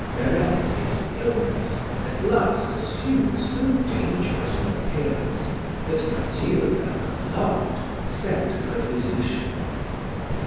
Verezzi's illness at last assumed so dangerous an appearance, that Matilda, alarmed, sent for a physician.